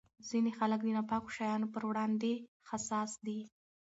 ځینې خلک د ناپاکو شیانو پر وړاندې حساس دي.